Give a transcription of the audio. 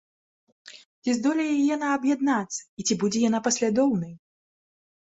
Ці здолее яна аб'яднацца і ці будзе яна паслядоўнай?